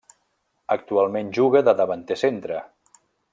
Actualment juga de davanter centre.